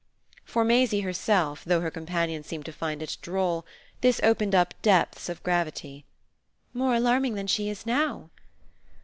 For Maisie herself, though her companion seemed to find it droll, this opened up depths of gravity. "More alarming than she is now?"